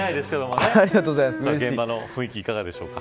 現場の雰囲気、いかがですか。